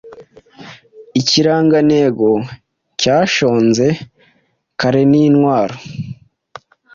Ikirangantego cyashonze karenintwaro